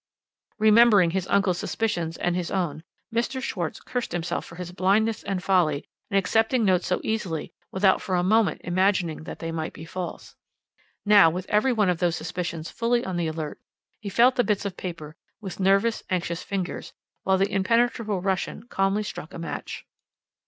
"Remembering his uncle's suspicions and his own, Mr. Schwarz cursed himself for his blindness and folly in accepting notes so easily without for a moment imagining that they might be false. Now, with every one of those suspicions fully on the alert, he felt the bits of paper with nervous, anxious fingers, while the imperturbable Russian calmly struck a match.